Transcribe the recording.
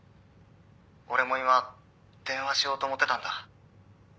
「俺も今電話しようと思ってたんだ」